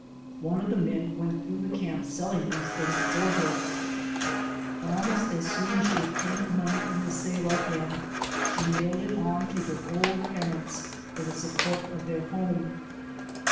One of the men went through the camps selling these things for her. Almost HARRIET TUBMAN [ 99 as soon as she obtained the money from the sale of them she mailed it on to her old parents for the support of their home.